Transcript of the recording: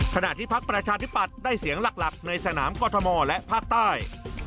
ขณะที่พักประชาธิปัตย์ได้เสียงหลักในสนามกรทมและภาคใต้